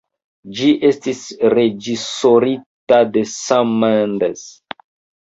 Ĝi estis reĝisorita de Sam Mendes.